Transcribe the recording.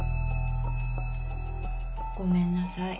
ごめんなさい。